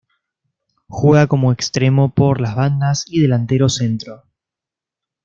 Juega como extremo por las bandas y Delantero centro.